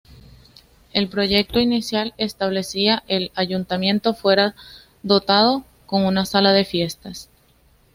El proyecto inicial establecía que el ayuntamiento fuera dotado con una sala de fiestas.